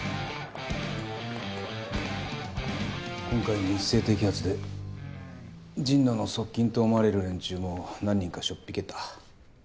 今回の一斉摘発で神野の側近と思われる連中も何人かしょっ引けた。